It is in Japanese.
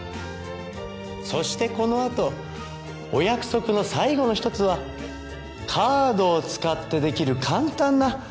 そしてこのあとお約束の最後の１つはカードを使って出来る簡単な。